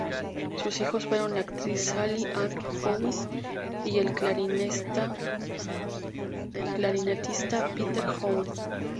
Sus hijos fueron la actriz Sally Ann Howes y el clarinetista Peter Howes.